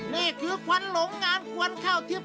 นี่คือควรลงงานกวนเข้าทิป